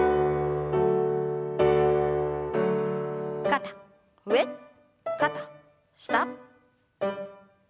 肩上肩下。